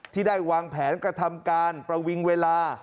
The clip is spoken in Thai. ที่ได้วางแผนกระทำการประวิงเวลา